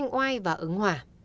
quay và ứng hòa